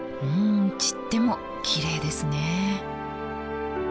うん散ってもきれいですね。